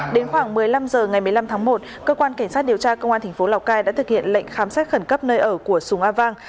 đến khoảng một mươi năm h ngày một mươi năm tháng một cơ quan cảnh sát điều tra công an tp lào cai đã thực hiện lệnh khám xét khẩn cấp nơi ở của sùng a vang